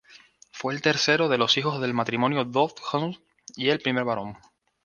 Fue el tercero de los hijos del matrimonio Dodgson, y el primer varón.